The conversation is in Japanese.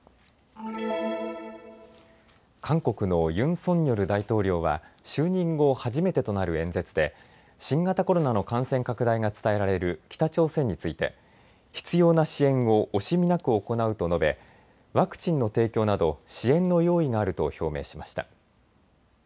韓国のユン・ソンニョル大統領は就任後初めてとなる演説で新型コロナの感染拡大が伝えられる北朝鮮について必要な支援を惜しみなく行うと述べ、ワクチンの提供など支援の用意があると表明しました。